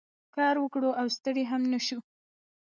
کار وکړو او ستړي نه شو.